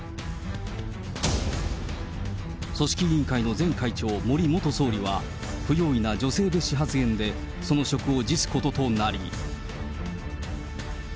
組織委員会の前会長、森元総理は、不用意な女性蔑視発言で、その職を辞すこととなり。